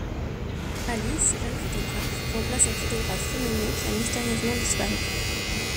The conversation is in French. Alice, jeune photographe, remplace un photographe renommé qui a mystérieusement disparu.